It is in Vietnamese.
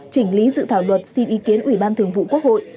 chỉnh lý dự thảo luật xin ý kiến ủy ban thường vụ quốc hội